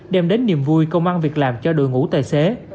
đem đến niềm vui công an việc làm cho đội ngũ tài xế